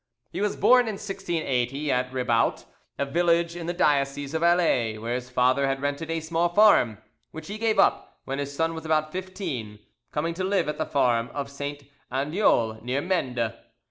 He was born in 1680 at Ribaute, a village in the diocese of Alais, where his father had rented a small farm, which he gave up when his son was about fifteen, coming to live at the farm of St. Andeol, near Mende.